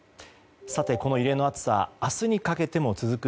この異例の暑さ明日にかけても続く